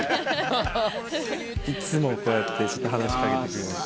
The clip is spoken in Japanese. いつもこうやって話しかけてくれます。